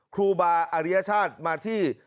ครูบาอริยชาติมาที่